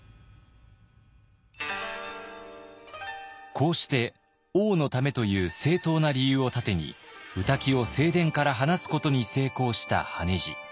こうして王のためという正当な理由を盾に御嶽を正殿から離すことに成功した羽地。